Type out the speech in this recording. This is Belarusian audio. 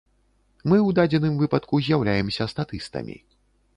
Мы ў дадзеным выпадку з'яўляемся статыстамі.